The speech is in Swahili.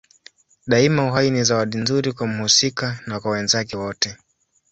Daima uhai ni zawadi nzuri kwa mhusika na kwa wenzake wote.